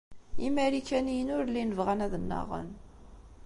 Imarikaniyen ur llin bɣan ad nnaɣen.